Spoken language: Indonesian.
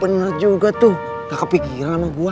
bener juga tuh gak kepikiran sama gua